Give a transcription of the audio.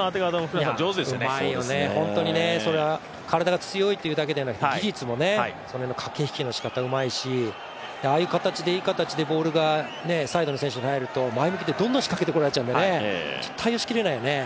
うまいよね、本当にそれは体が丈夫なだけじゃなくて技術も、その辺の駆け引きのしかたがうまいしああいう形で、いい形でボールがサイドの選手に入ると前向きでどんどん仕掛けてこられちゃうんでね対応しきれないよね。